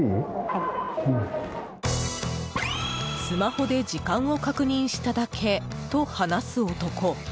スマホで時間を確認しただけと話す男。